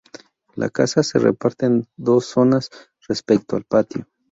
La casa se reparte en dos zonas respecto al patio.